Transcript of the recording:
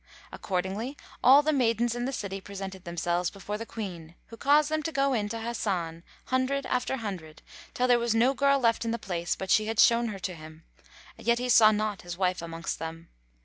Accordingly all the maidens in the city presented themselves before the Queen, who caused them to go in to Hasan, hundred after hundred, till there was no girl left in the place, but she had shown her to him; yet he saw not his wife amongst them.